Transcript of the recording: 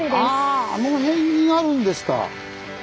ああの辺にあるんですか。